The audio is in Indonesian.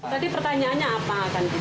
tadi pertanyaannya apa